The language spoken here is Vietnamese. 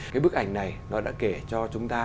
cái bức ảnh này nó đã kể cho chúng ta